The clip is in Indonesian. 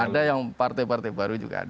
ada yang partai partai baru juga ada